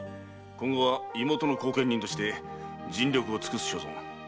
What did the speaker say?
今後は妹の後見人として尽力する所存。